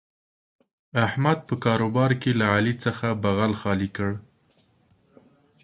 احمد په کاروبار کې له علي څخه بغل خالي کړ.